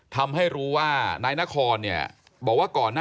ทำให้รู้ว่านายนครบอกว่าก่อนหน้านี้